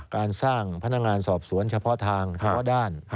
การสร้างพนักงานสอบสวนเฉพาะทางเฉพาะด้าน